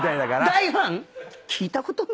大ファン⁉